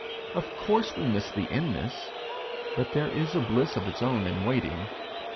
Of course we miss the inness, but there is a bliss of its own in waiting.